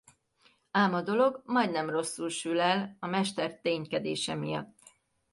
Ám a dolog majdnem rosszul sül el a Mester ténykedése miatt.